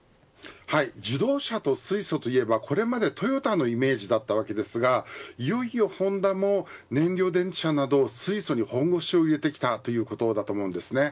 自動車と水素といえばこれまでトヨタのイメージだったわけですがいよいよホンダも燃料電池車など、水素に本腰を入れてきたということだと思うんですね。